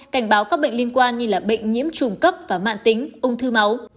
cảnh báo các bệnh liên quan như là bệnh nhiễm trùng cấp và mạng tính ung thư máu